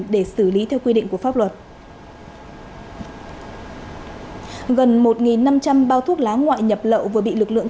để xử lý theo quy định của pháp luật gần một năm trăm linh bao thuốc lá ngoại nhập lậu vừa bị lực lượng